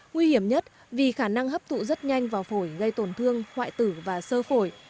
nguy hiểm nhất vì khả năng hấp thụ rất nhanh vào phổi gây tổn thương hoại tử và sơ phổi